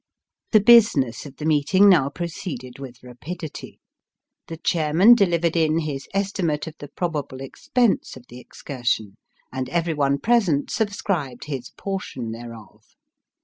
The business of the meeting now proceeded with rapidity. The chairman delivered in his estimate of the probable expense of the excursion, and every one present subscribed his portion thereof.